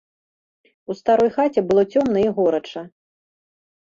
У старой хаце было цёмна і горача.